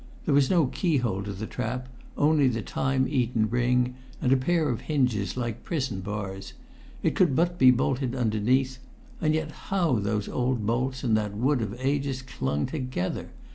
There was no key hole to the trap, only the time eaten ring and a pair of hinges like prison bars; it could but be bolted underneath; and yet how those old bolts and that wood of ages clung together!